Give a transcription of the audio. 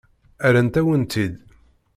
Rrant-awen-tt-id.